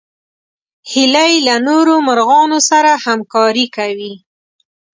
هیلۍ له نورو مرغانو سره همکاري کوي